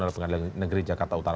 dari pengadilan negeri jakarta utara